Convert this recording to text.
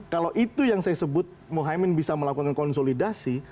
kalau itu yang saya sebut mohaimin bisa melakukan konsolidasi